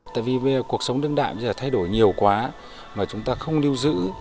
tại vì cuộc sống đương đại bây giờ thay đổi nhiều quá mà chúng ta không lưu giữ